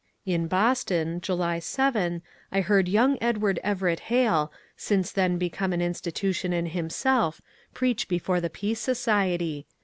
In Boston (July 7) I heard young Edward Everett Hale, since then become an institution in himself, preach before the Peace Society.